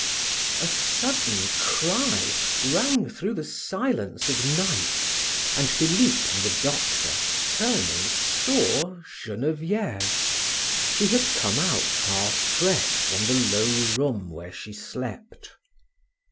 A sudden cry rang through the silence of night, and Philip and the doctor, turning, saw Genevieve. She had come out half dressed from the low room where she slept.